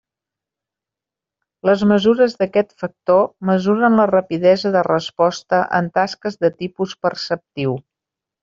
Les mesures d'aquest factor mesuren la rapidesa de resposta en tasques de tipus perceptiu.